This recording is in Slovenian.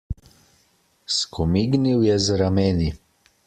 Skomignil je z rameni.